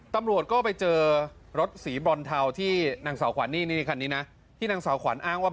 ตำรวจก็ไปเจอรถสีบรอนเทาที่นางสาวขวัญนี่นี่คันนี้นะที่นางสาวขวัญอ้างว่า